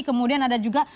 kemudian ada juga